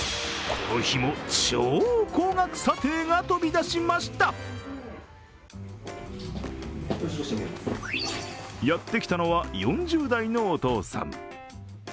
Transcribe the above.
この日も超高額査定が飛び出しましたるやってきたのは、４０代のお父さん。